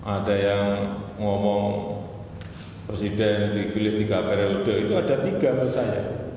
ada yang ngomong presiden dipilih tiga periode itu ada tiga menurut saya